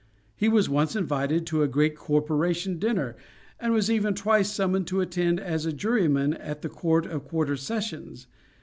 He was once invited to a great corporation dinner; and was even twice summoned to attend as a juryman at the court of quarter sessions.